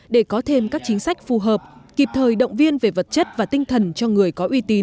để có thêm các chính sách phù hợp kịp thời động viên về vật chất và tinh thần cho người có uy tín